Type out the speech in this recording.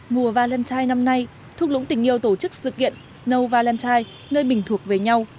mùa valentine năm nay thuốc lũng tình yêu tổ chức sự kiện snow valentine nơi mình thuộc về nhau